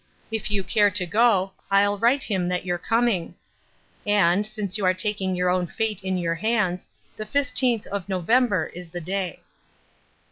If you care to go, I'll write him that you're coming. And, since you are taking your own fate in your hands, the fifteenth of November is the day."